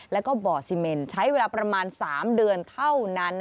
แล้วก็บ่อซีเมนใช้เวลาประมาณ๓เดือนเท่านั้น